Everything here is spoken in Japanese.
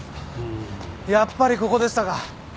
やっぱりここでしたか。